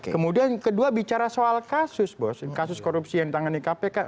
kemudian kedua bicara soal kasus bos kasus korupsi yang ditangani kpk